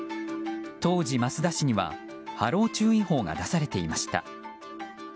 当時、益田市には波浪注意報が出されていました。